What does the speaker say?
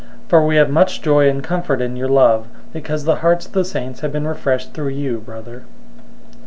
001:007 For we have much joy and comfort in your love, because the hearts of the saints have been refreshed through you, brother.